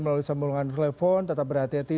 melalui sambungan telepon tetap berhati hati